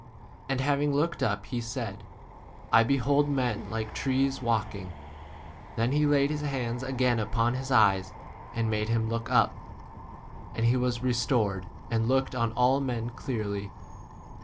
And having looked up, he said, I behold men like trees 25 walking. Then he laid his hands again upon his eyes, and made him look up. w And he was re stored and looked on all men 26 clearly.